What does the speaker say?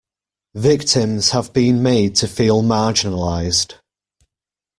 Victims have been made to feel marginalised.